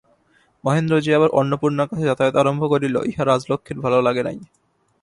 মহেন্দ্র যে আবার অন্নপূর্ণার কাছে যাতায়াত আরম্ভ করিল, ইহা রাজলক্ষ্মীর ভালো লাগে নাই।